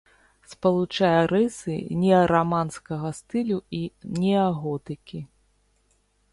Спалучае рысы неараманскага стылю і неаготыкі.